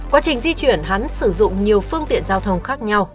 quá trình di chuyển hắn sử dụng nhiều phương tiện giao thông khác nhau